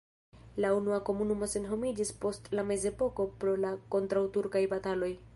La unua komunumo senhomiĝis post la mezepoko pro la kontraŭturkaj bataloj.